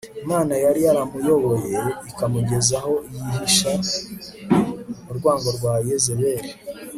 Imana yari yaramuyoboye ikamugeza aho yihisha urwango rwa Yezebeli